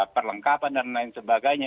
perlengkapan dan lain sebagainya